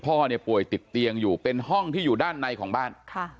พ่อเนี่ยป่วยติดเตียงอยู่เป็นห้องที่อยู่ด้านในของบ้าน